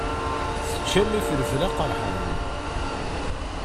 Teččam ifelfel aqeṛḥan.